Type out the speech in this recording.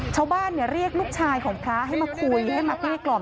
ชาวบ้านเรียกลูกชายของพระให้มาคุยให้มาเกลี้ยกล่อม